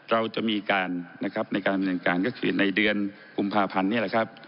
เราจะมีการนะครับในการดำเนินการก็คือในเดือนกุมภาพันธ์นี่แหละครับ